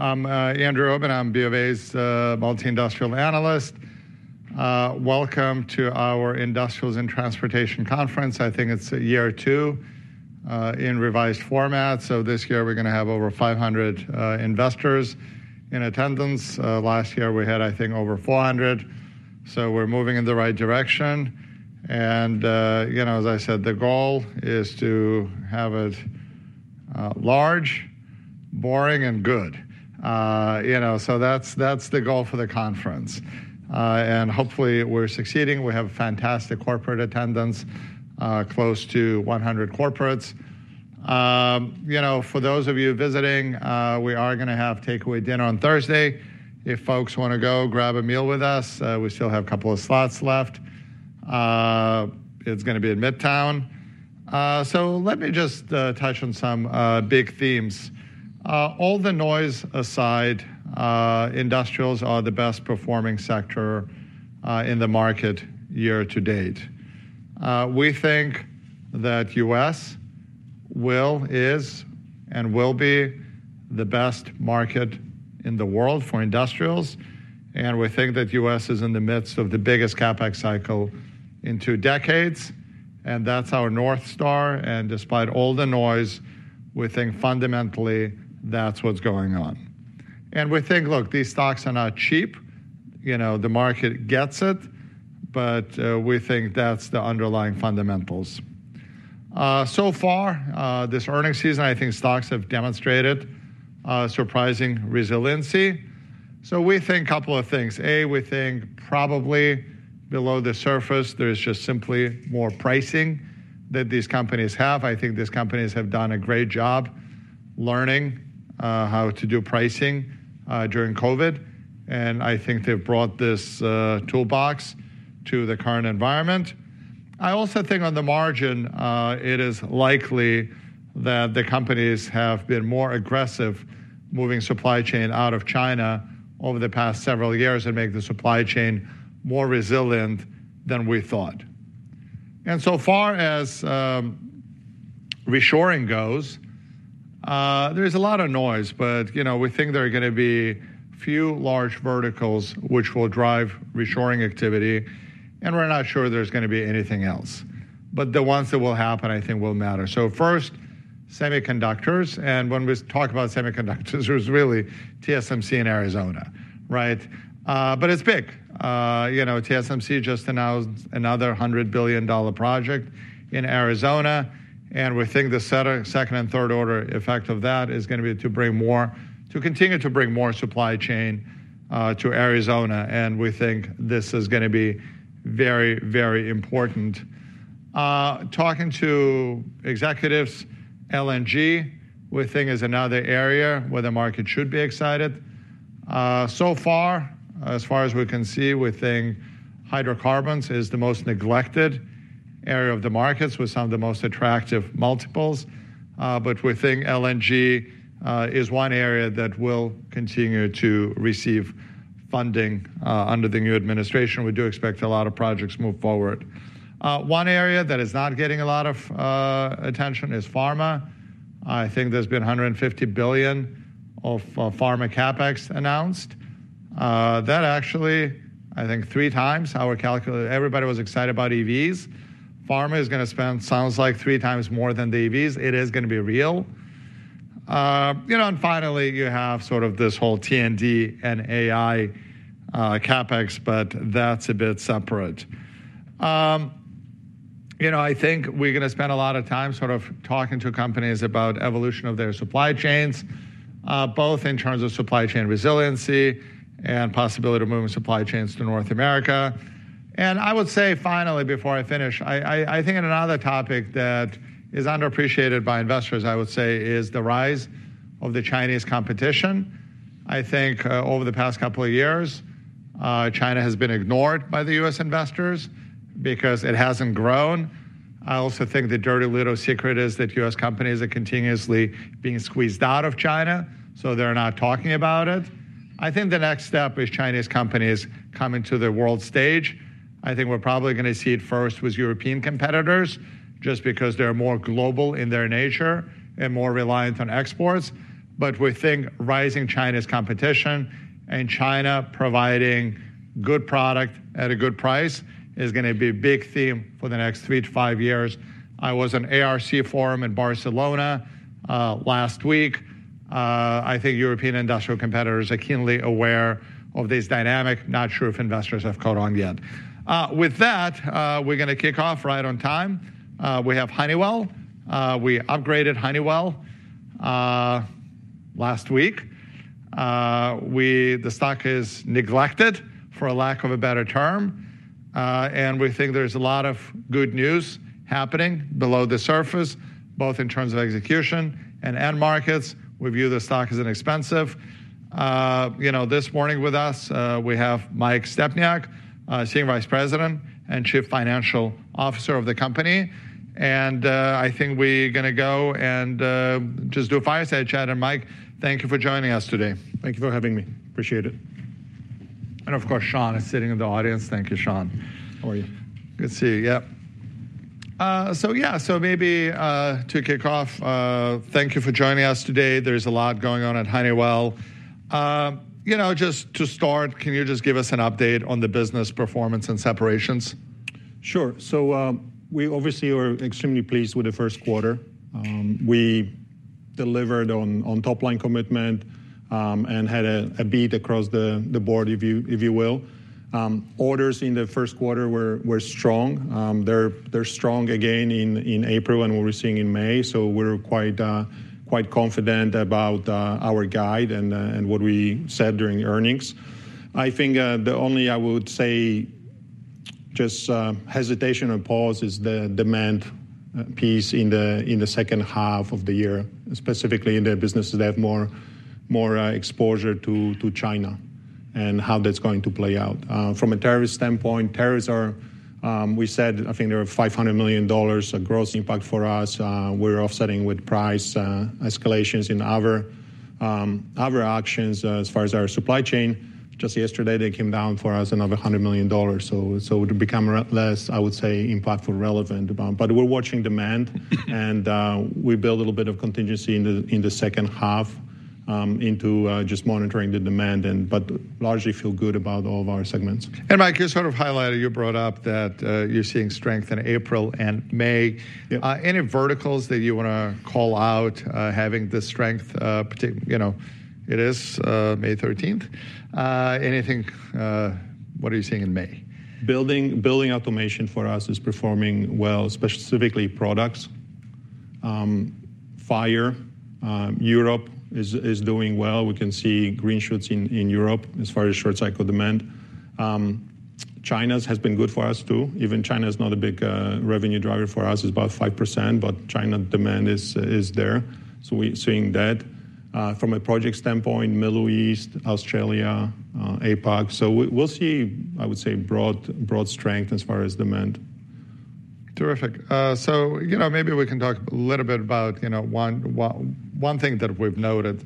I'm Andrew Obin. I'm BofA's multi-industrial analyst. Welcome to our Industrials in Transportation Conference. I think it's year two in revised format. This year we're going to have over 500 investors in attendance. Last year we had, I think, over 400. We're moving in the right direction. You know, as I said, the goal is to have it large, boring, and good. You know, so that's the goal for the conference, and hopefully we're succeeding. We have fantastic corporate attendance, close to 100 corporates. You know, for those of you visiting, we are going to have takeaway dinner on Thursday. If folks want to go grab a meal with us, we still have a couple of slots left. It's going to be at Midtown. Let me just touch on some big themes. All the noise aside, industrials are the best performing sector in the market year to date. We think that U.S. will, is, and will be the best market in the world for industrials. We think that U.S. is in the midst of the biggest CapEx cycle in two decades. That is our North Star. Despite all the noise, we think fundamentally that is what is going on. We think, look, these stocks are not cheap. You know, the market gets it, but we think that is the underlying fundamentals. So far, this earnings season, I think stocks have demonstrated surprising resiliency. We think a couple of things. A, we think probably below the surface, there is just simply more pricing that these companies have. I think these companies have done a great job learning how to do pricing during COVID. I think they have brought this toolbox to the current environment. I also think on the margin, it is likely that the companies have been more aggressive moving supply chain out of China over the past several years and make the supply chain more resilient than we thought. Insofar as reshoring goes, there is a lot of noise, but, you know, we think there are going to be few large verticals which will drive reshoring activity. We are not sure there is going to be anything else. The ones that will happen, I think, will matter. First, semiconductors. When we talk about semiconductors, there is really TSMC in Arizona, right? It is big. You know, TSMC just announced another $100 billion project in Arizona. We think the second and third order effect of that is going to be to bring more, to continue to bring more supply chain to Arizona. We think this is going to be very, very important. Talking to executives, LNG, we think is another area where the market should be excited. So far, as far as we can see, we think hydrocarbons is the most neglected area of the markets with some of the most attractive multiples. We think LNG is one area that will continue to receive funding under the new administration. We do expect a lot of projects to move forward. One area that is not getting a lot of attention is pharma. I think there has been $150 billion of pharma CapEx announced. That actually, I think, is three times how we are calculating, everybody was excited about EVs. Pharma is going to spend, sounds like, three times more than the EVs. It is going to be real, you know, and finally, you have sort of this whole TND and AI, CapEx, but that's a bit separate. You know, I think we're going to spend a lot of time sort of talking to companies about the evolution of their supply chains, both in terms of supply chain resiliency and possibility of moving supply chains to North America. I would say finally, before I finish, I think another topic that is underappreciated by investors, I would say, is the rise of the Chinese competition. I think, over the past couple of years, China has been ignored by the U.S. investors because it hasn't grown. I also think the dirty little secret is that U.S. Companies are continuously being squeezed out of China, so they're not talking about it. I think the next step is Chinese companies coming to the world stage. I think we're probably going to see it first with European competitors just because they're more global in their nature and more reliant on exports. We think rising Chinese competition and China providing good product at a good price is going to be a big theme for the next three to five years. I was at an ARC forum in Barcelona last week. I think European industrial competitors are keenly aware of this dynamic. Not sure if investors have caught on yet. With that, we're going to kick off right on time. We have Honeywell. We upgraded Honeywell last week. The stock is neglected for a lack of a better term. and we think there's a lot of good news happening below the surface, both in terms of execution and end markets. We view the stock as inexpensive. You know, this morning with us, we have Mike Stepniak, Senior Vice President and Chief Financial Officer of the company. I think we're going to go and just do a fireside chat. Mike, thank you for joining us today. Thank you for having me. Appreciate it. Of course, Sean is sitting in the audience. Thank you, Sean. How are you? Good to see you. Yep. So yeah, maybe, to kick off, thank you for joining us today. There is a lot going on at Honeywell. You know, just to start, can you just give us an update on the business performance and separations? Sure. We obviously were extremely pleased with the first quarter. We delivered on top line commitment, and had a beat across the board, if you will. Orders in the first quarter were strong. They are strong again in April and what we are seeing in May. We are quite confident about our guide and what we said during earnings. I think the only, I would say, just hesitation or pause is the demand piece in the second half of the year, specifically in the businesses that have more exposure to China and how that is going to play out. From a tariff standpoint, tariffs are, we said, I think there are $500 million of gross impact for us. We are offsetting with price escalations and other actions as far as our supply chain. Just yesterday, they came down for us another $100 million. It would become less, I would say, impactful, relevant. We are watching demand, and we build a little bit of contingency in the second half, just monitoring the demand, but largely feel good about all of our segments. Mike, you sort of highlighted, you brought up that, you're seeing strength in April and May. Any verticals that you want to call out, having the strength, particular, you know, it is May 13th. Anything, what are you seeing in May? Building, building automation for us is performing well, specifically products. FAIRR, Europe is, is doing well. We can see green shoots in, in Europe as far as short cycle demand. China's has been good for us too. Even China is not a big revenue driver for us. It's about 5%, but China demand is, is there. We're seeing that, from a project standpoint, Middle East, Australia, APAC. We'll see, I would say, broad, broad strength as far as demand. Terrific. So, you know, maybe we can talk a little bit about, you know, one thing that we've noted,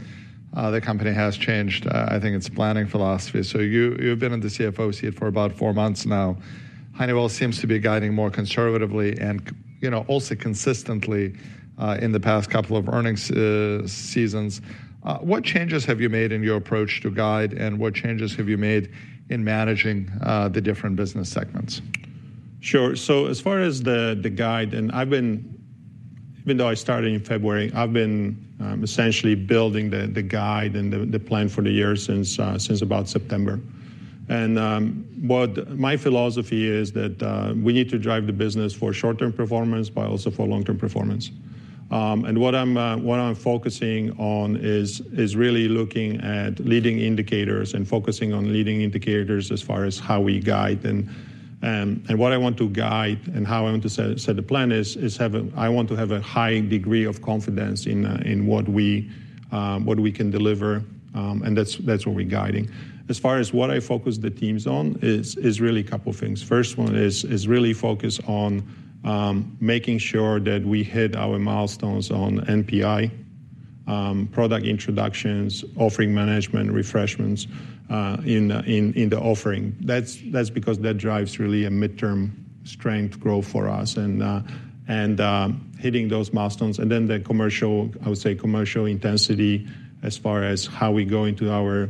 the company has changed, I think, its planning philosophy. So, you've been in the CFO seat for about four months now. Honeywell seems to be guiding more conservatively and, you know, also consistently, in the past couple of earnings seasons. What changes have you made in your approach to guide and what changes have you made in managing the different business segments? Sure. As far as the guide, and I've been, even though I started in February, I've been essentially building the guide and the plan for the year since about September. What my philosophy is that we need to drive the business for short-term performance, but also for long-term performance. What I'm focusing on is really looking at leading indicators and focusing on leading indicators as far as how we guide and what I want to guide and how I want to set the plan is having, I want to have a high degree of confidence in what we can deliver. That's what we're guiding. As far as what I focus the teams on is really a couple of things. First one is, is really focus on making sure that we hit our milestones on NPI, product introductions, offering management refreshments in the offering. That's because that drives really a midterm strength growth for us and hitting those milestones. The commercial, I would say, commercial intensity as far as how we go into our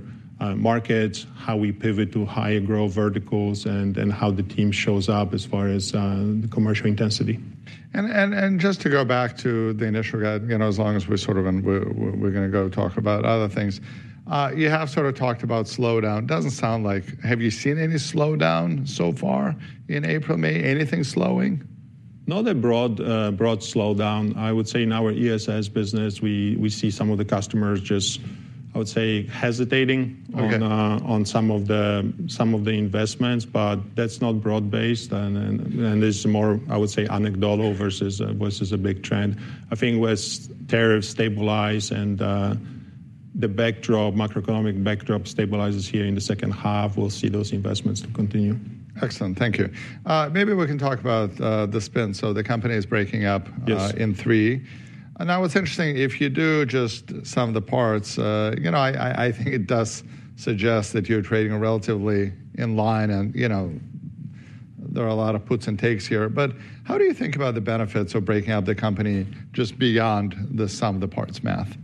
markets, how we pivot to higher growth verticals and how the team shows up as far as the commercial intensity. Just to go back to the initial guide, you know, as long as we sort of, and we're going to go talk about other things. You have sort of talked about slowdown. Doesn't sound like, have you seen any slowdown so far in April, May? Anything slowing? Not a broad, broad slowdown. I would say in our ESS business, we see some of the customers just, I would say, hesitating on some of the investments, but that's not broad-based. This is more, I would say, anecdotal versus a big trend. I think with tariffs stabilize and the macroeconomic backdrop stabilizes here in the second half, we'll see those investments continue. Excellent. Thank you. Maybe we can talk about the spin. The company is breaking up in three. I was interested if you do just some of the parts, you know, I think it does suggest that you're trading relatively in line and, you know, there are a lot of puts and takes here. How do you think about the benefits of breaking up the company just beyond the sum of the parts math?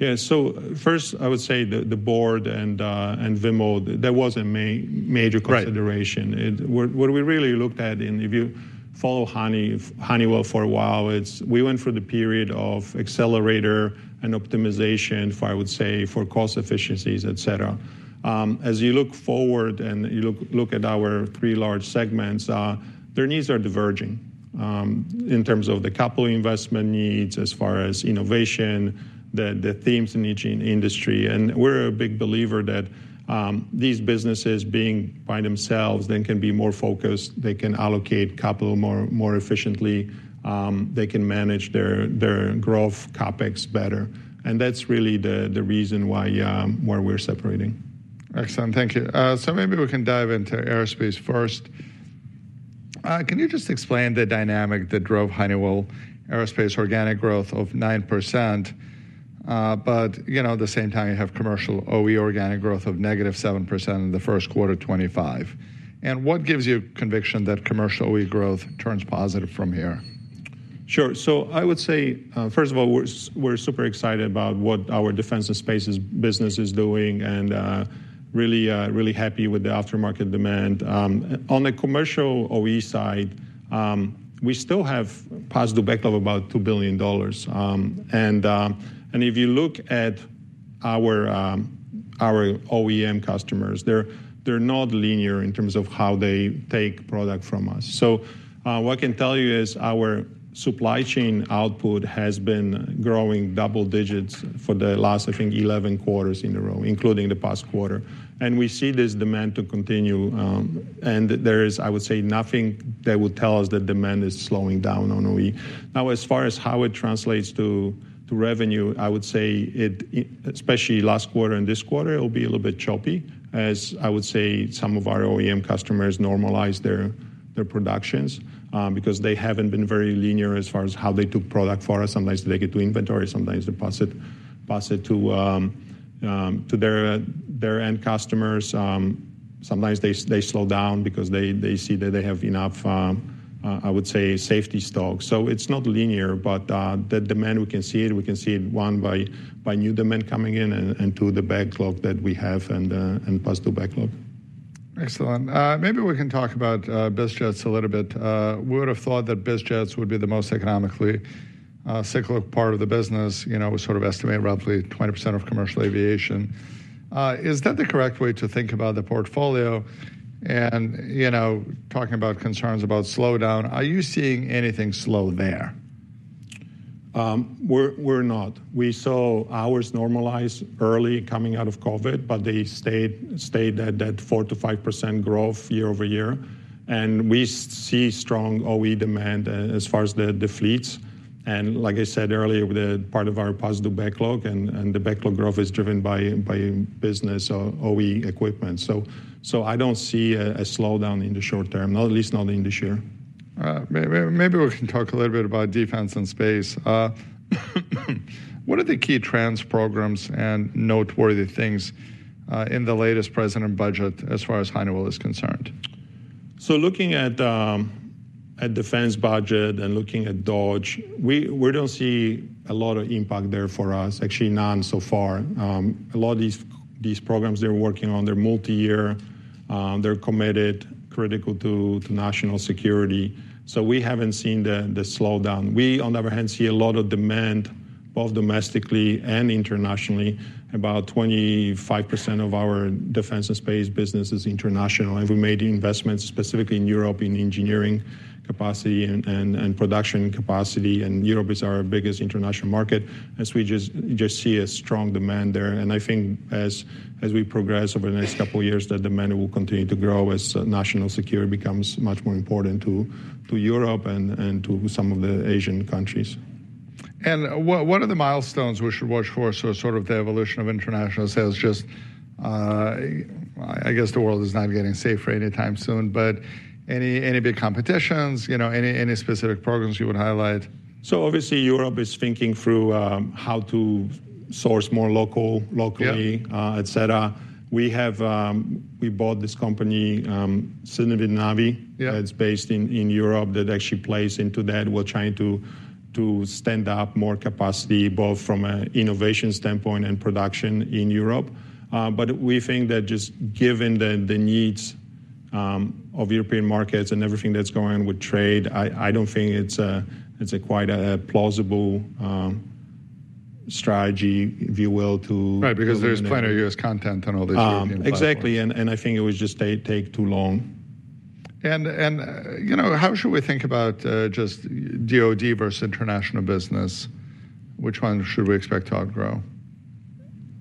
Yeah. First, I would say the board and Vimal, that was a major consideration. What we really looked at, if you follow Honeywell for a while, is we went through the period of accelerator and optimization for, I would say, cost efficiencies, et cetera. As you look forward and you look at our three large segments, their needs are diverging in terms of the couple investment needs as far as innovation, the themes in each industry. We are a big believer that these businesses being by themselves, they can be more focused, they can allocate capital more efficiently, they can manage their growth CapEx better. That is really the reason why we are separating. Excellent. Thank you. So maybe we can dive into aerospace first. Can you just explain the dynamic that drove Honeywell aerospace organic growth of 9%? At the same time, you have commercial OE organic growth of negative 7% in the first quarter 2025. What gives you conviction that commercial OE growth turns positive from here? Sure. I would say, first of all, we're super excited about what our defense and spaces business is doing and really, really happy with the aftermarket demand. On the commercial OE side, we still have positive backlog of about $2 billion. If you look at our OEM customers, they're not linear in terms of how they take product from us. What I can tell you is our supply chain output has been growing double digits for the last, I think, 11 quarters in a row, including the past quarter. We see this demand to continue, and there is, I would say, nothing that would tell us that demand is slowing down on OE. Now, as far as how it translates to revenue, I would say it, especially last quarter and this quarter, it'll be a little bit choppy as I would say some of our OEM customers normalize their productions, because they haven't been very linear as far as how they took product from us. Sometimes they get to inventory, sometimes they pass it to their end customers. Sometimes they slow down because they see that they have enough, I would say, safety stock. It is not linear, but the demand, we can see it, we can see it one by new demand coming in and to the backlog that we have and plus the backlog. Excellent. Maybe we can talk about Biz Jets a little bit. We would've thought that Biz Jets would be the most economically cyclical part of the business. You know, we sort of estimate roughly 20% of commercial aviation. Is that the correct way to think about the portfolio? You know, talking about concerns about slowdown, are you seeing anything slow there? We're not. We saw ours normalize early coming out of COVID, but they stayed at that 4-5% growth year over year. We see strong OE demand as far as the fleets. Like I said earlier, part of our positive backlog and the backlog growth is driven by business OE equipment. I don't see a slowdown in the short term, at least not in this year. Maybe we can talk a little bit about defense and space. What are the key trends, programs, and noteworthy things in the latest President budget as far as Honeywell is concerned? Looking at defense budget and looking at DOGE, we do not see a lot of impact there for us, actually none so far. A lot of these programs they're working on, they're multi-year, they're committed, critical to national security. We have not seen the slowdown. We, on the other hand, see a lot of demand, both domestically and internationally, about 25% of our defense and space business is international. We made investments specifically in Europe in engineering capacity and production capacity. Europe is our biggest international market as we just see a strong demand there. I think as we progress over the next couple of years, that demand will continue to grow as national security becomes much more important to Europe and to some of the Asian countries. What are the milestones we should watch for? Sort of the evolution of international sales, just, I guess the world is not getting safer anytime soon, but any big competitions, you know, any specific programs you would highlight? Obviously Europe is thinking through how to source more local, locally, et cetera. We have, we bought this company, Civitanavi. Yeah. That's based in Europe that actually plays into that. We're trying to stand up more capacity both from an innovation standpoint and production in Europe. We think that just given the needs of European markets and everything that's going on with trade, I don't think it's quite a plausible strategy, if you will, to. Right. Because there's plenty of U.S. content in all this. Exactly. I think it would just take too long. And, you know, how should we think about, just DOD versus international business? Which one should we expect to outgrow?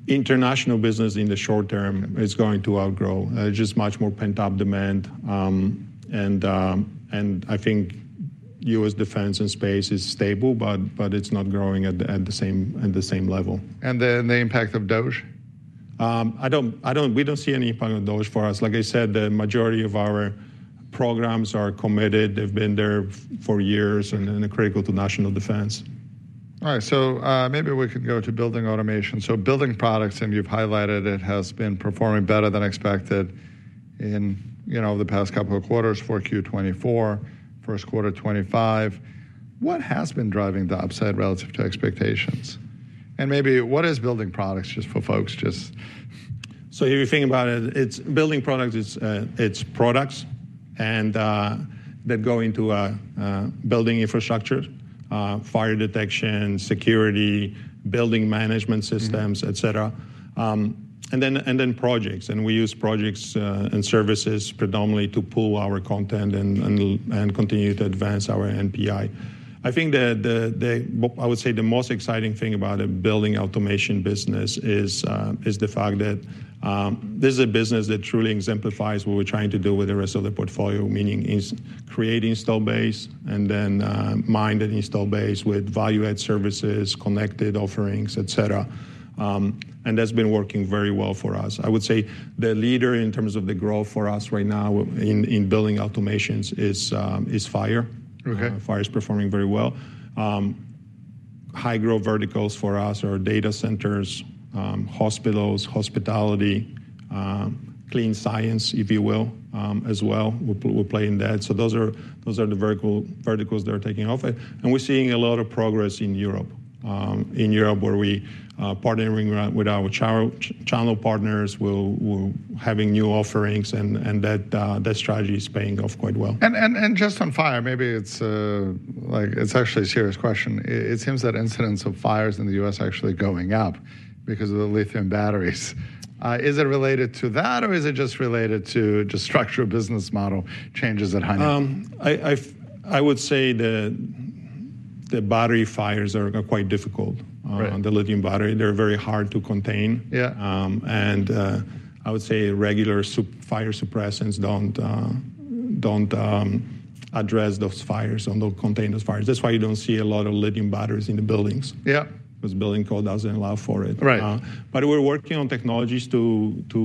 International business in the short term is going to outgrow, just much more pent-up demand. I think U.S. defense and space is stable, but it's not growing at the same level. The impact of DOGE? I don't, we don't see any impact of DOGE for us. Like I said, the majority of our programs are committed. They've been there for years and critical to national defense. All right. Maybe we can go to building automation. Building products, and you've highlighted it has been performing better than expected in, you know, the past couple of quarters for Q2 2024, first quarter 2025. What has been driving the upside relative to expectations? And maybe what is building products just for folks just. If you think about it, it's building products, it's products that go into building infrastructure, fire detection, security, building management systems, et cetera, and then projects. We use projects and services predominantly to pull our content and continue to advance our NPI. I think the most exciting thing about a building automation business is the fact that this is a business that truly exemplifies what we're trying to do with the rest of the portfolio, meaning creating install base and then minded install base with value-add services, connected offerings, et cetera, and that's been working very well for us. I would say the leader in terms of the growth for us right now in building automations is fire. Okay. Fire is performing very well. High growth verticals for us are data centers, hospitals, hospitality, clean science, if you will, as well. We'll play in that. Those are the verticals that are taking off. We are seeing a lot of progress in Europe, where we are partnering with our channel partners, having new offerings, and that strategy is paying off quite well. And just on fire, maybe it's, like it's actually a serious question. It seems that incidents of fires in the U.S. are actually going up because of the lithium batteries. Is it related to that or is it just related to just structural business model changes at Honeywell? I would say the battery fires are quite difficult. Right. On the lithium battery, they're very hard to contain. Yeah. I would say regular fire suppressants do not address those fires or do not contain those fires. That is why you do not see a lot of lithium batteries in the buildings. Yeah. 'Cause building code doesn't allow for it. Right. But we're working on technologies to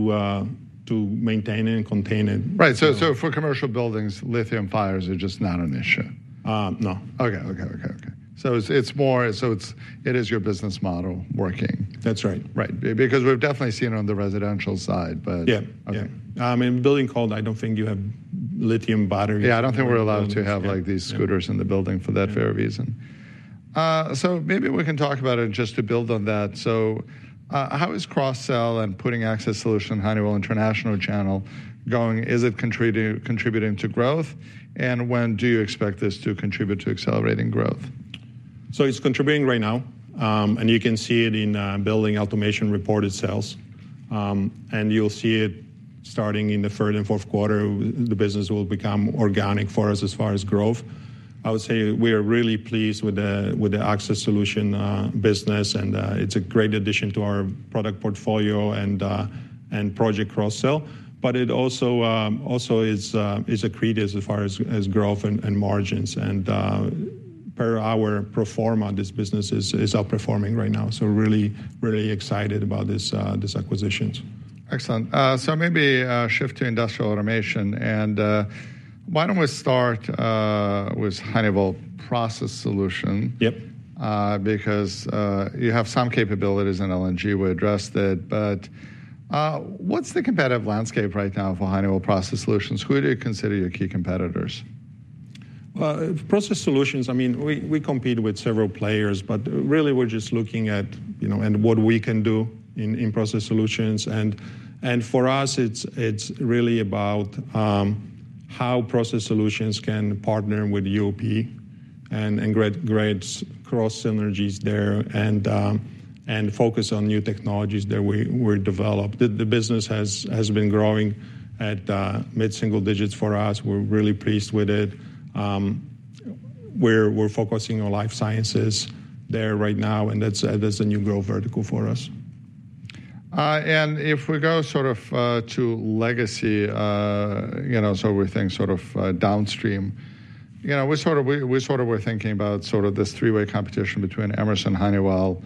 maintain it and contain it. Right. So for commercial buildings, lithium fires are just not an issue. no. Okay. So it's more, it is your business model working. That's right. Right. Because we've definitely seen it on the residential side, but. Yeah. Okay. In building code, I don't think you have lithium batteries. Yeah. I don't think we're allowed to have like these scooters in the building for that very reason. Maybe we can talk about it just to build on that. How is cross-sell and putting access solution Honeywell International channel going? Is it contributing to growth? And when do you expect this to contribute to accelerating growth? It is contributing right now, and you can see it in building automation reported sales. You will see it starting in the third and fourth quarter; the business will become organic for us as far as growth. I would say we are really pleased with the access solution business, and it is a great addition to our product portfolio and project cross-sell, but it also is accretive as far as growth and margins. Per our pro forma, this business is outperforming right now. Really excited about this acquisition. Excellent. So maybe, shift to industrial automation and, why don't we start, with Honeywell Process Solution? Yep. because you have some capabilities in LNG, we addressed it, but what's the competitive landscape right now for Honeywell process solutions? Who do you consider your key competitors? Process solutions, I mean, we compete with several players, but really we're just looking at, you know, what we can do in process solutions. For us, it's really about how process solutions can partner with UOP and great, great cross synergies there and focus on new technologies that we developed. The business has been growing at mid-single digits for us. We're really pleased with it. We're focusing on life sciences there right now, and that's a new growth vertical for us. If we go sort of, to legacy, you know, so we think sort of, downstream, you know, we sort of were thinking about sort of this three-way competition between Emerson, Honeywell,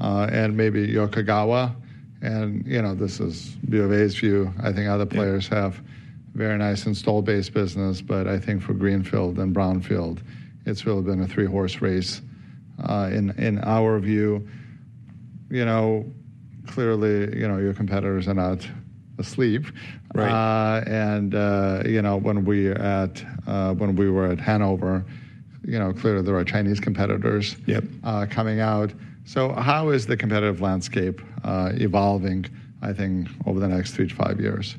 and maybe Yokogawa. This is B of A's view. I think other players have very nice install-based business, but I think for Greenfield and Brownfield, it's really been a three-horse race, in our view. You know, clearly, you know, your competitors are not asleep. Right. And, you know, when we at, when we were at Hanover, you know, clearly there are Chinese competitors. Yep. coming out. How is the competitive landscape evolving, I think, over the next three to five years?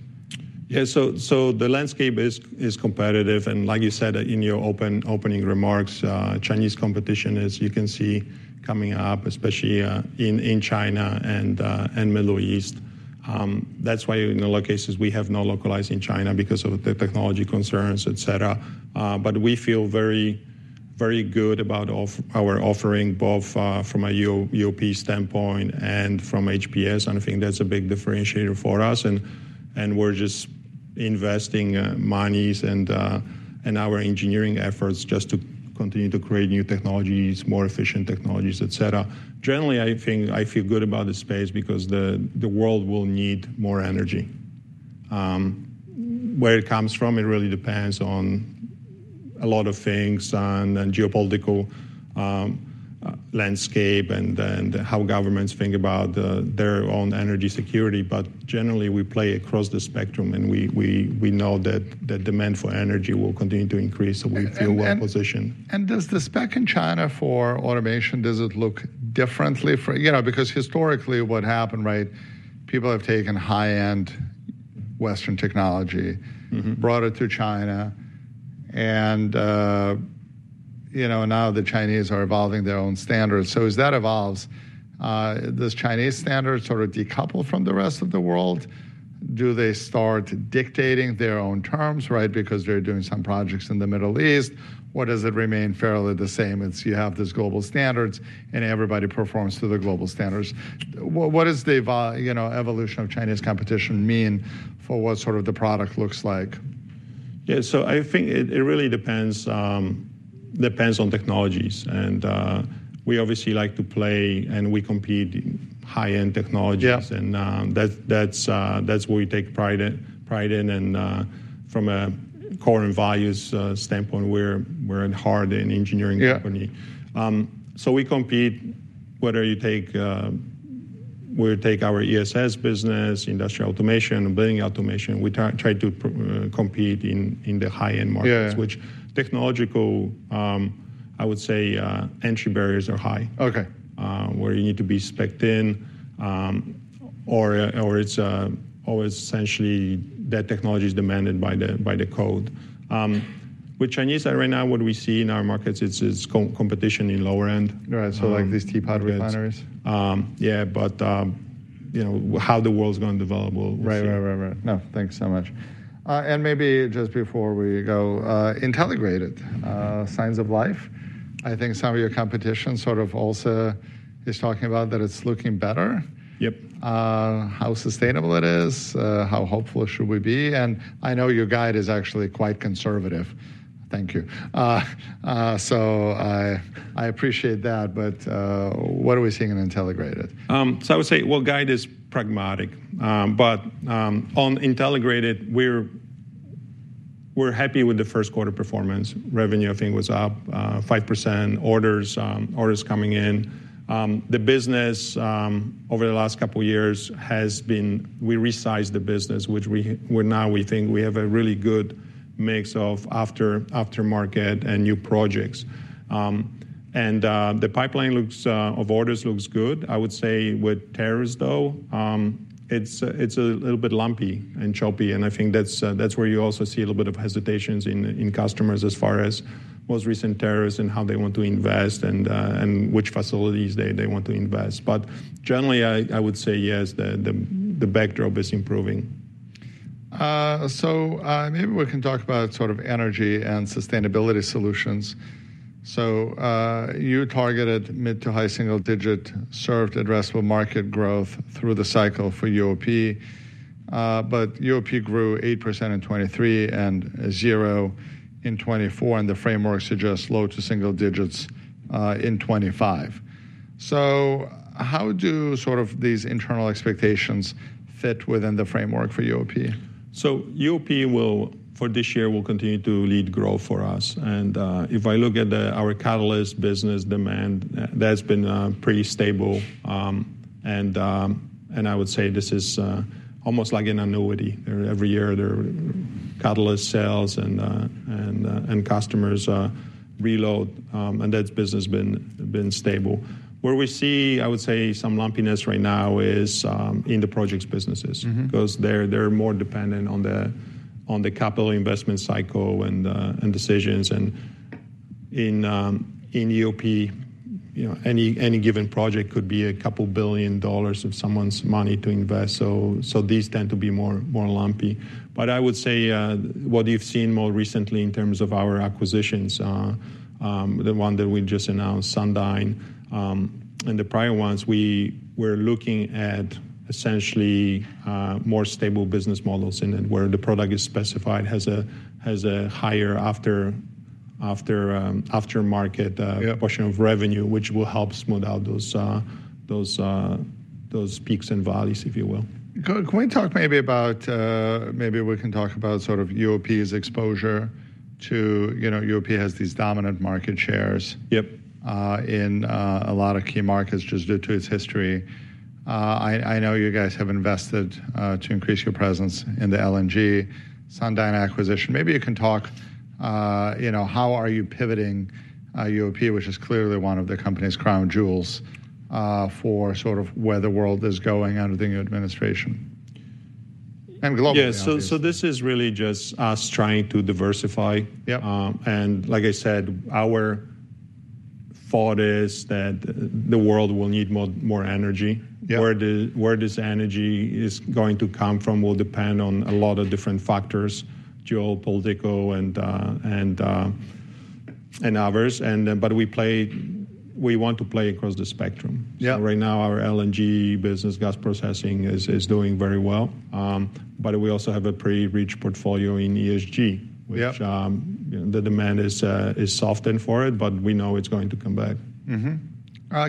Yeah. The landscape is competitive. Like you said in your opening remarks, Chinese competition is, you can see, coming up, especially in China and Middle East. That is why in a lot of cases we have no localizing China because of the technology concerns, et cetera. We feel very, very good about our offering, both from a UOP standpoint and from HPS. I think that is a big differentiator for us. We are just investing monies and our engineering efforts just to continue to create new technologies, more efficient technologies, et cetera. Generally, I think I feel good about the space because the world will need more energy. Where it comes from really depends on a lot of things and geopolitical landscape and how governments think about their own energy security. Generally we play across the spectrum and we know that demand for energy will continue to increase. We feel well positioned. Does the spec in China for automation, does it look differently for, you know, because historically what happened, right? People have taken high-end Western technology. Mm-hmm. Brought it to China. You know, now the Chinese are evolving their own standards. As that evolves, do Chinese standards sort of decouple from the rest of the world? Do they start dictating their own terms, right? Because they're doing some projects in the Middle East. Or does it remain fairly the same? You have these global standards and everybody performs to the global standards. What is the evol, you know, evolution of Chinese competition mean for what sort of the product looks like? Yeah. I think it really depends on technologies. We obviously like to play and we compete in high-end technologies. Yeah. That's where we take pride in. And, from a core and values standpoint, we're at heart an engineering company. Yeah. We compete, whether you take, we take our ESS business, industrial automation, and building automation. We try to compete in the high-end markets, which technological, I would say, entry barriers are high. Okay. where you need to be specced in, or it's always essentially that technology is demanded by the code. With Chinese right now, what we see in our markets, it's co-competition in lower end. Right. So like these T-Podd refineries. Yeah. You know, how the world's gonna develop will. Right. No, thanks so much. And maybe just before we go, Intelligrated, signs of life. I think some of your competition sort of also is talking about that it's looking better. Yep. How sustainable it is, how hopeful should we be? I know your guide is actually quite conservative. Thank you. I appreciate that. What are we seeing in Intelligrated? I would say the guide is pragmatic. On Intelligrated, we're happy with the first quarter performance. Revenue, I think, was up 5%, orders coming in. The business over the last couple of years has been, we resized the business, which we now think we have a really good mix of aftermarket and new projects. The pipeline of orders looks good. I would say with tariffs, though, it's a little bit lumpy and choppy. I think that's where you also see a little bit of hesitation in customers as far as most recent tariffs and how they want to invest and which facilities they want to invest. Generally, I would say yes, the backdrop is improving. So, maybe we can talk about sort of energy and sustainability solutions. So, you targeted mid to high single digit served addressable market growth through the cycle for UOP. But UOP grew 8% in 2023 and zero in 2024. And the framework suggests low to single digits in 2025. So how do sort of these internal expectations fit within the framework for UOP? UOP will, for this year, continue to lead growth for us. If I look at our catalyst business demand, that's been pretty stable. I would say this is almost like an annuity. Every year there are catalyst sales and customers reload. That business has been stable. Where we see, I would say, some lumpiness right now is in the projects businesses. Mm-hmm. 'Cause they're more dependent on the capital investment cycle and decisions. In UOP, you know, any given project could be a couple billion dollars of someone's money to invest. These tend to be more lumpy. I would say, what you've seen more recently in terms of our acquisitions, the one that we just announced, Sundyne, and the prior ones, we were looking at essentially more stable business models in it where the product is specified, has a higher aftermarket, Yeah. Portion of revenue, which will help smooth out those peaks and valleys, if you will. Could we talk maybe about, maybe we can talk about sort of UOP's exposure to, you know, UOP has these dominant market shares. Yep. In a lot of key markets just due to its history. I know you guys have invested to increase your presence in the LNG, Sundyne acquisition. Maybe you can talk, you know, how are you pivoting UOP, which is clearly one of the company's crown jewels, for sort of where the world is going under the new administration and globally. Yeah. This is really just us trying to diversify. Yep. and like I said, our thought is that the world will need more, more energy. Yeah. Where energy is going to come from will depend on a lot of different factors, geopolitical and others. We want to play across the spectrum. Yeah. Right now our LNG business gas processing is doing very well. We also have a pretty rich portfolio in ESG, which the demand is softened for it, but we know it's going to come back. Mm-hmm.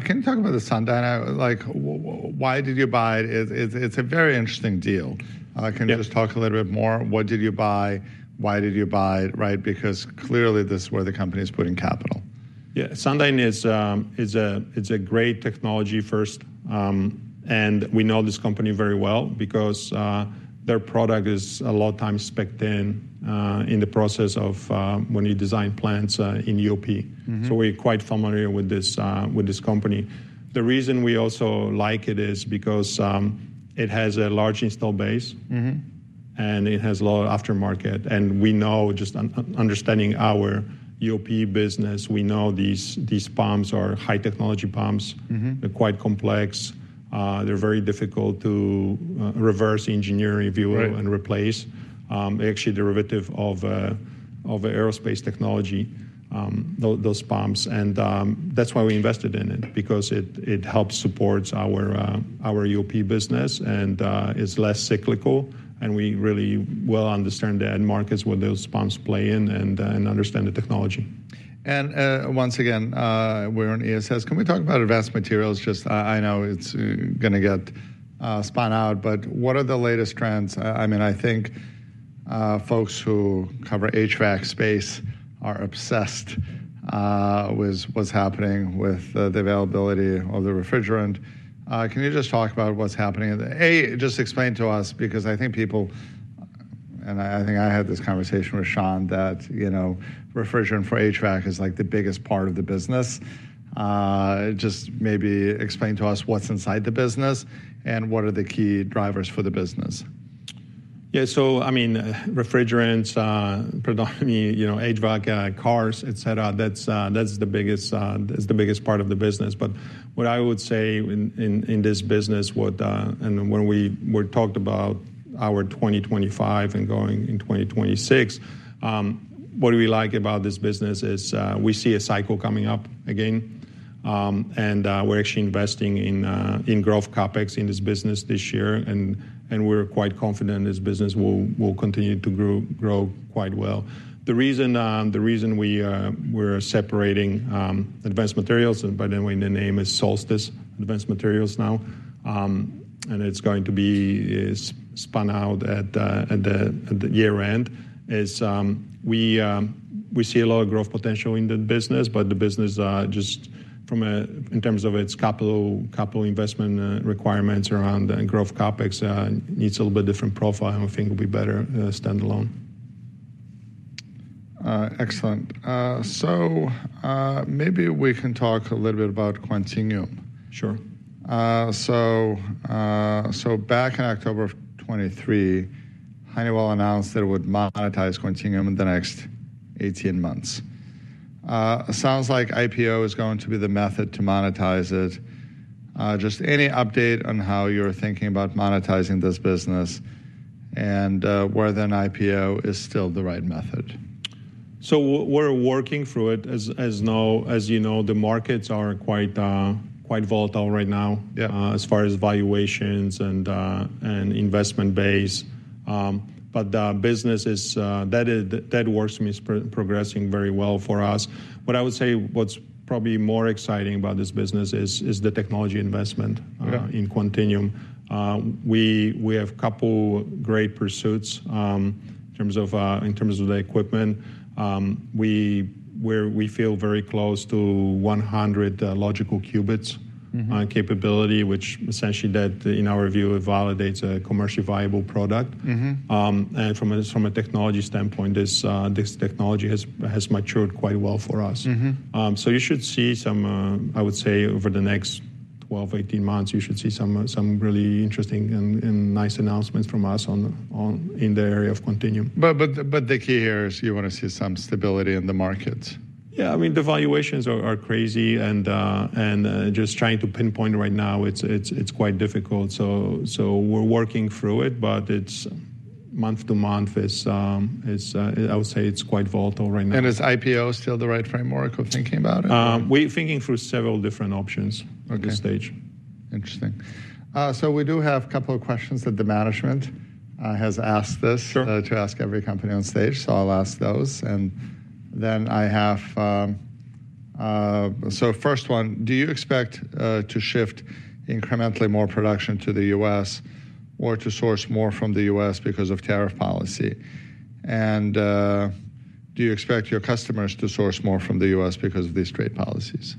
Can you talk about the Sundyne? Like, why did you buy it? It's a very interesting deal. Can you just talk a little bit more? What did you buy? Why did you buy it? Right. Because clearly this is where the company is putting capital. Yeah. Sundyne is, it's a great technology first. We know this company very well because their product is a lot of times specced in the process of when you design plants in UOP. Mm-hmm. We're quite familiar with this company. The reason we also like it is because it has a large install base. Mm-hmm. It has a lot of aftermarket. We know just understanding our UOP business, we know these pumps are high technology pumps. Mm-hmm. They're quite complex. They're very difficult to, reverse engineer if you will and replace. Right. Actually derivative of aerospace technology, those pumps. That's why we invested in it because it helps support our UOP business and is less cyclical. We really well understand the end markets where those pumps play in and understand the technology. Once again, we're on ESS. Can we talk about advanced materials? I know it's gonna get spun out, but what are the latest trends? I mean, I think folks who cover HVAC space are obsessed with what's happening with the availability of the refrigerant. Can you just talk about what's happening? Just explain to us, because I think people, and I think I had this conversation with Sean, that, you know, refrigerant for HVAC is like the biggest part of the business. Just maybe explain to us what's inside the business and what are the key drivers for the business. Yeah. I mean, refrigerants, predominantly, you know, HVAC, cars, et cetera. That's the biggest, that's the biggest part of the business. What I would say in this business, when we talked about our 2025 and going into 2026, what we like about this business is, we see a cycle coming up again. We're actually investing in growth CapEx in this business this year, and we're quite confident this business will continue to grow, grow quite well. The reason we are separating advanced materials, but then the name is Solstice Advanced Materials now. It's going to be spun out at the year end. We see a lot of growth potential in the business, but the business, just in terms of its capital investment requirements around the growth CapEx, needs a little bit different profile. I think it'll be better standalone. Excellent. So, maybe we can talk a little bit about Quantinuum. Sure. So, back in October of 2023, Honeywell announced that it would monetize Quantinuum in the next 18 months. It sounds like IPO is going to be the method to monetize it. Just any update on how you're thinking about monetizing this business and whether an IPO is still the right method. We're working through it as you know, the markets are quite volatile right now. Yeah. As far as valuations and investment base, the business that works means progressing very well for us. What I would say, what's probably more exciting about this business is the technology investment. Okay. In Quantinuum, we have a couple great pursuits, in terms of the equipment. We feel very close to 100 logical qubits capability, which essentially, in our view, validates a commercially viable product. Mm-hmm. From a technology standpoint, this technology has matured quite well for us. Mm-hmm. You should see some, I would say over the next 12-18 months, you should see some really interesting and nice announcements from us in the area of Quantinuum. The key here is you wanna see some stability in the markets. Yeah. I mean, the valuations are crazy and just trying to pinpoint right now, it's quite difficult. We're working through it, but month to month is, I would say, it's quite volatile right now. Is IPO still the right framework of thinking about it? We thinking through several different options at this stage. Okay. Interesting. We do have a couple of questions that the management has asked this. Sure. To ask every company on stage. I'll ask those. I have, first one, do you expect to shift incrementally more production to the U.S. or to source more from the U.S. because of tariff policy? Do you expect your customers to source more from the U.S. because of these trade policies?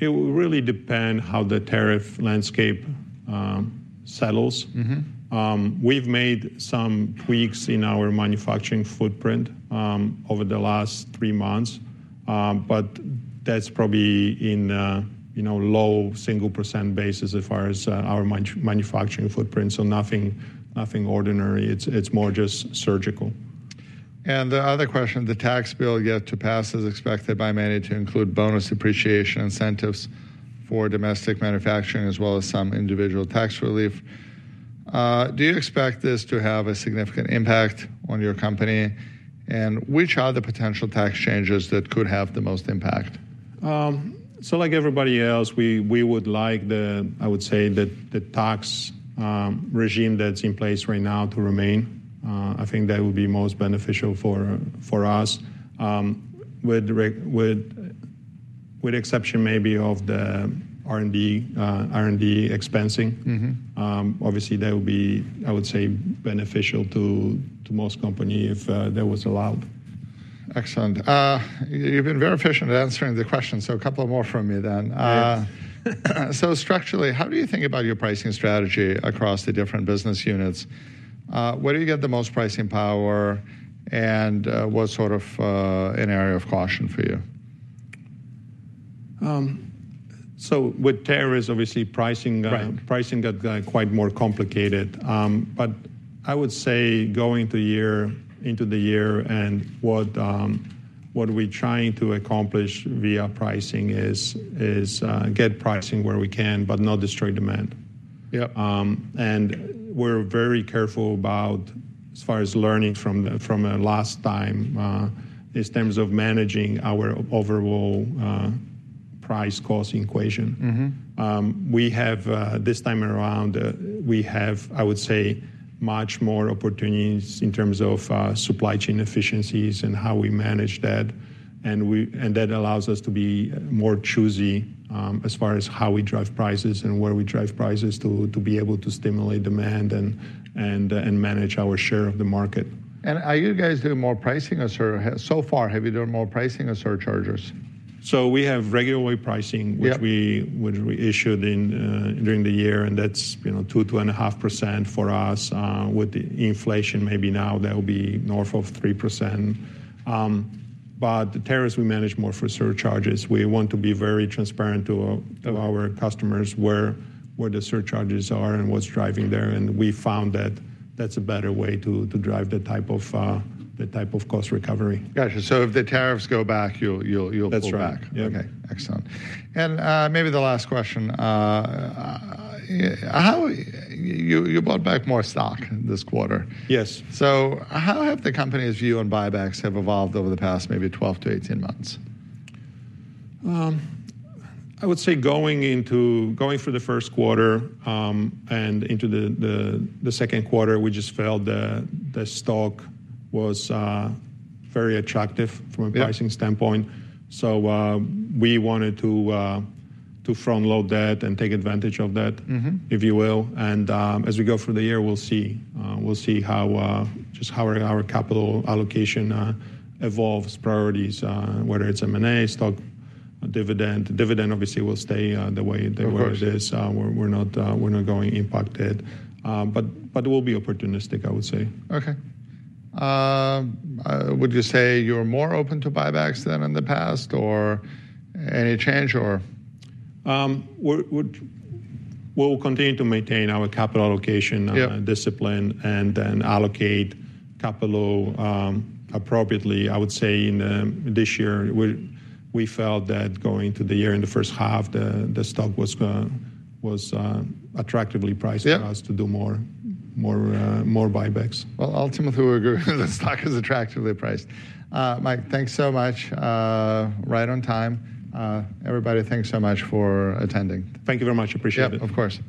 It will really depend how the tariff landscape settles. Mm-hmm. We've made some tweaks in our manufacturing footprint over the last three months, but that's probably in, you know, low single % basis as far as our manufacturing footprint. Nothing, nothing ordinary. It's more just surgical. The other question, the tax bill yet to pass is expected by many to include bonus appreciation incentives for domestic manufacturing as well as some individual tax relief. Do you expect this to have a significant impact on your company? And which are the potential tax changes that could have the most impact? Like everybody else, we would like the, I would say that the tax regime that is in place right now to remain. I think that would be most beneficial for us, with exception maybe of the R&D expensing. Mm-hmm. Obviously that would be, I would say, beneficial to most company if that was allowed. Excellent. You've been very efficient at answering the question. So a couple more from me then. Yeah. Structurally, how do you think about your pricing strategy across the different business units? Where do you get the most pricing power and, what sort of, an area of caution for you? With tariffs, obviously pricing got quite more complicated. I would say going into the year and what are we trying to accomplish via pricing is get pricing where we can, but not destroy demand. Yep. We're very careful about, as far as learning from last time, in terms of managing our overall price cost equation. Mm-hmm. We have, this time around, I would say much more opportunities in terms of supply chain efficiencies and how we manage that. That allows us to be more choosy as far as how we drive prices and where we drive prices to, to be able to stimulate demand and manage our share of the market. Are you guys doing more pricing or so far? Have you done more pricing or surcharges? We have regular way pricing. Yeah. Which we issued during the year. And that's, you know, 2-2.5% for us, with the inflation maybe now that'll be north of 3%. The tariffs we manage more for surcharges. We want to be very transparent to our customers where the surcharges are and what's driving there. We found that that's a better way to drive the type of cost recovery. Gotcha. If the tariffs go back, you'll pull back. That's right. Okay. Excellent. Maybe the last question, how you, you bought back more stock this quarter? Yes. How have the company's view on buybacks evolved over the past maybe 12 to 18 months? I would say going into, going through the first quarter, and into the second quarter, we just felt that the stock was very attractive from a pricing standpoint. Mm-hmm. We wanted to front load that and take advantage of that. Mm-hmm. If you will. As we go through the year, we'll see how our capital allocation evolves, priorities, whether it's M&A, stock, dividend. Dividend obviously will stay the way that it is. Of course. We're not going to be impacted, but we'll be opportunistic, I would say. Okay. Would you say you're more open to buybacks than in the past or any change or? We're, we'll continue to maintain our capital allocation discipline and then allocate capital appropriately. I would say in this year, we felt that going to the year in the first half, the stock was attractively priced for us to do more buybacks. Ultimately we agree the stock is attractively priced. Mike, thanks so much. Right on time. Everybody, thanks so much for attending. Thank you very much. Appreciate it. Of course.